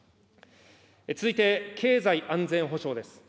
続いて経済安全保障です。